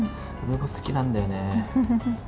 梅干し好きなんだよね。